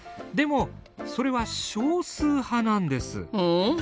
でもそれは少数派なんです。